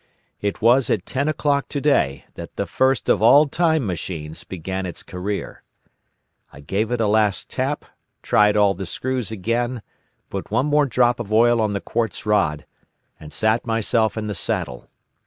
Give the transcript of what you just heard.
It was at ten o'clock today that the first of all Time Machines began its career. I gave it a last tap, tried all the screws again, put one more drop of oil on the quartz rod, and sat myself in the saddle.